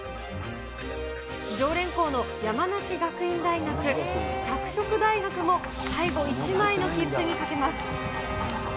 常連校の山梨学院大学、拓殖大学も最後１枚の切符にかけます。